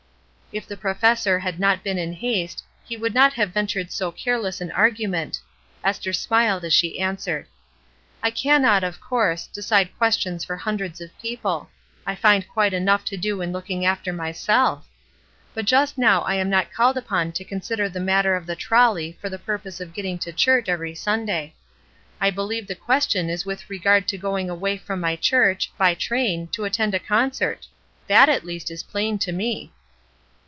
If the professor had not been in haste, he would not have ventured so careless an argu ment. Esther smiled as she answered :— "I cannot, of course, decide questions for hundreds of people. I find quite enough to do in looking after myself. But just now I am not called upon to consider the matter of the trolley for the purpose of getting to church every Sunday. I believe the question is with regard to going away from my church, by train, to attend a concert. That, at least, is plain to me."